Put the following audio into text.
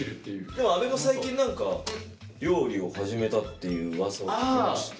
でも阿部も最近何か料理を始めたっていううわさを聞きまして。